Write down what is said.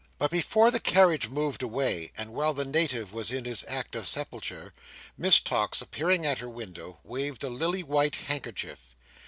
But before the carriage moved away, and while the Native was in the act of sepulture, Miss Tox appearing at her window, waved a lilywhite handkerchief.